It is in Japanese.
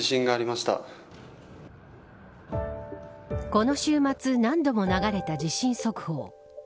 この週末何度も流れた地震速報。